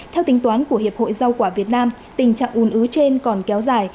theo tính toán của hiệp hội giao quả việt nam tình trạng ùn ứa trên còn kéo dài